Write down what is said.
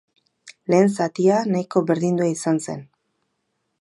Lehen zatia nahiko berdindua izan zen.